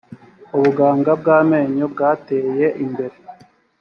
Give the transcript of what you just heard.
ubuganga bw amenyo bwateye imbere